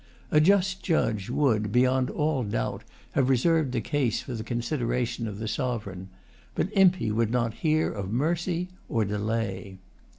A just judge would, beyond all doubt, have reserved the case for the consideration of the sovereign. But Impey would not hear of mercy or delay.